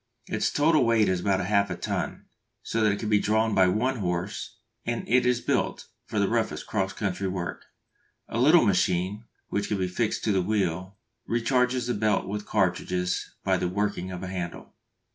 Its total weight is about half a ton, so that it can be drawn by one horse, and it is built for the roughest cross country work. A little machine, which can be fixed to the wheel, recharges the belts with cartridges by the working of a handle.